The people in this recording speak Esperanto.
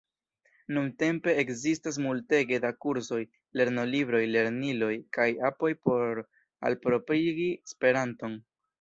Nuntempe ekzistas multege da kursoj, lernolibroj, lerniloj kaj apoj por alproprigi Esperanton.